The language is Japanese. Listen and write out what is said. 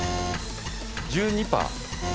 １２％。